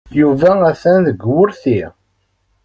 Yuba atan deg wurti.